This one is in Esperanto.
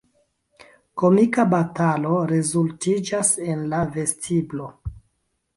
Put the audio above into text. Komika batalo rezultiĝas en la vestiblo.